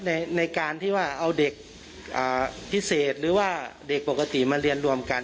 ในการที่ว่าเอาเด็กพิเศษหรือว่าเด็กปกติมาเรียนรวมกัน